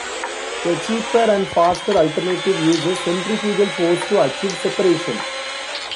A cheaper and faster alternative uses centrifugal force to achieve separation.